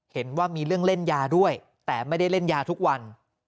เห็นว่ามีเรื่องเล่นยาด้วยแต่ไม่ได้เล่นยาทุกวัน